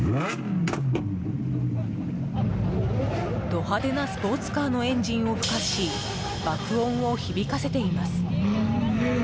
ド派手なスポーツカーのエンジンをふかし爆音を響かせています。